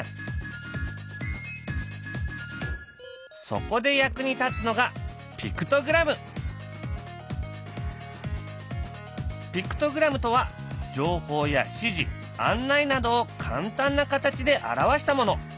そこで役に立つのがピクトグラムとは情報や指示案内などを簡単な形で表したもの。